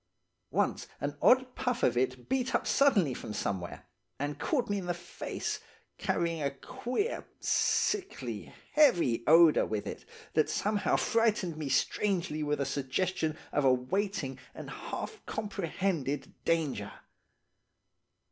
Once an odd puff of it beat up suddenly from somewhere, and caught me in the face, carrying a queer, sickly, heavy odour with it that somehow frightened me strangely with a suggestion of a waiting and half comprehended danger.